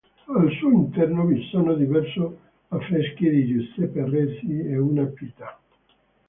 Al suo interno vi sono diverso affreschi di Giuseppe Resi e una Pietà.